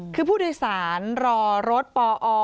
คือผู้โดยสารรอรถปอ